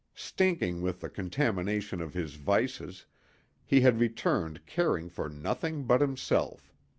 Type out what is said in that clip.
Stinking with the contamination of his vices, he had returned caring for nothing but himself.